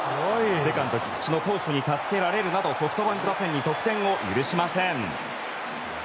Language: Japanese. セカンド、菊池の好守に助けられるなどソフトバンク打線に得点を許しません。